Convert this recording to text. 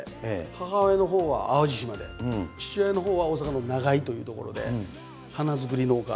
母親のほうは淡路島で父親のほうは大阪の長居という所で花作り農家。